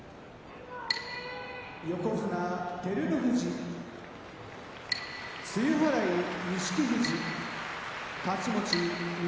横綱照ノ富士露払い錦富士太刀持ち翠